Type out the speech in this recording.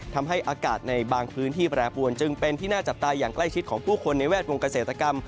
ทำให้อากาศในบางพื้นที่แปรปวนจึงเป็นที่น่าจับตาอย่างใกล้ชิดของผู้คนในแวดวงเกษตรกรรม